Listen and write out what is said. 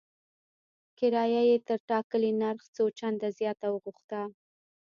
کرایه یې تر ټاکلي نرخ څو چنده زیاته وغوښته.